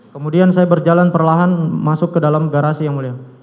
kemudian saya berjalan perlahan masuk ke dalam garasi yang mulia